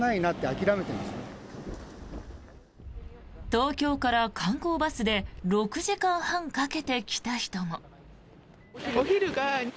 東京から観光バスで６時間半かけて来た人も。